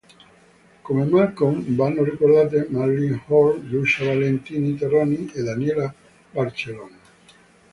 Come Malcolm vanno ricordate: Marilyn Horne, Lucia Valentini Terrani e Daniela Barcellona.